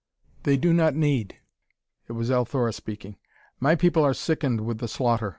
"They do not need." It was Althora speaking. "My people are sickened with the slaughter.